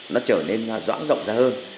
nó trở nên dõng rộng ra hơn